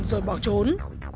và bỏ trốn